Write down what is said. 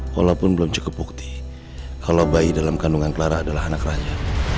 walaupun belum cukup bukti kalau bayi dalam kandungan clara adalah anak raja